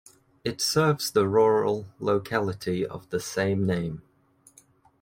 It serves the rural locality of the same name.